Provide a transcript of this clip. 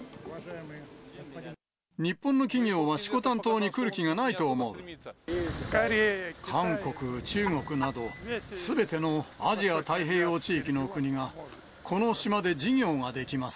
日本の企業は色丹島に来る気韓国、中国など、すべてのアジア太平洋地域の国が、この島で事業ができます。